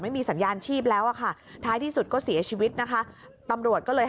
ไม่มีสัญญาณชีพแล้วอะค่ะท้ายที่สุดก็เสียชีวิตนะคะตำรวจก็เลย